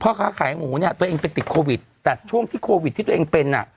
ค้าขายหมูเนี่ยตัวเองไปติดโควิดแต่ช่วงที่โควิดที่ตัวเองเป็นอ่ะ